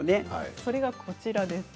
それがこちらです。